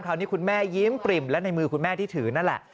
คุณแม่ยิ้มปริ่มและในมือคุณแม่ที่ถือนั่นแหละ